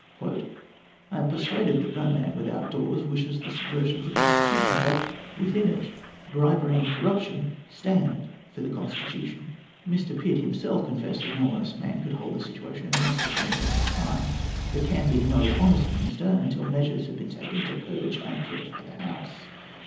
"I am persuaded that no man without doors wishes the subversion of the Constitution; but within it, bribery and corruption stand for the Constitution. Mr. Pitt himself confessed that no honest man could hold the situation of minister for any length of time. There can be no honest minister until measures have been taken to purge and purify the House.